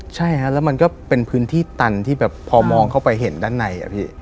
ใช่ฮะแล้วมันก็เป็นพื้นที่ตันที่แบบพอมองเข้าไปเห็นด้านในอะพี่